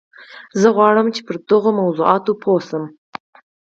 زه غوښتل چې پر دغو موضوعاتو پوه شم